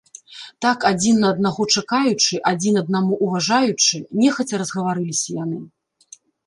Так адзін на аднаго чакаючы, адзін аднаму ўважаючы, нехаця разгаварыліся яны.